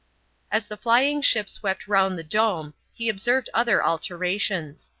As the flying ship swept round the dome he observed other alterations.